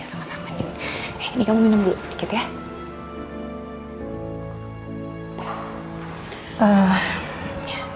saya tak taruh beban